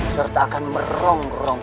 serta akan merongrong